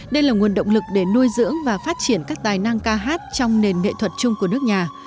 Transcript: đây là nguồn động lực để nuôi dưỡng và phát triển các tài năng ca hát trong nền nghệ thuật chung của nước nhà